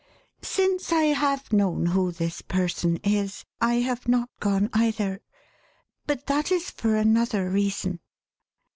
Since I have known who this person is, I have not gone either; b that is for another reason.